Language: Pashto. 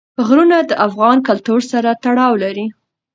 غرونه د افغان کلتور سره تړاو لري.